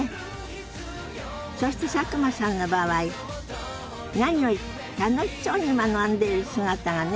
そして佐久間さんの場合何より楽しそうに学んでいる姿がね